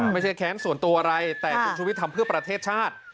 ไม่ใช่แข็งส่วนตัวอะไรแต่คุณชูวิทย์ทำเพื่อประเทศชาติ